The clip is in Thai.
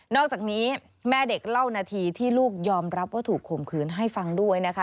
อกจากนี้แม่เด็กเล่านาทีที่ลูกยอมรับว่าถูกข่มขืนให้ฟังด้วยนะคะ